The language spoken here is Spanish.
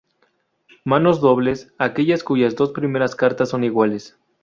Manos dobles.- Aquellas cuyas dos primeras cartas son iguales.